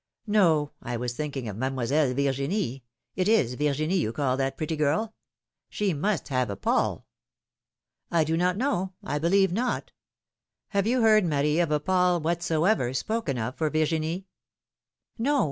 ^^No, I was thinking of Mademoiselle Virginie — it is Virginie you call that pretty girl? She must have a Paul?" do not know; I believe not. Have you heard, Marie, of a Paul whatsoever spoken of for Virginie?" No